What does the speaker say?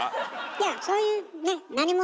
いやそういうねっ。